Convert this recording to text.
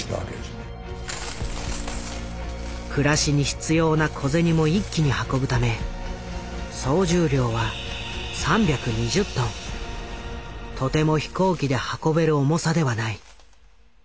暮らしに必要な小銭も一気に運ぶため総重量はとても飛行機で運べる重さではない。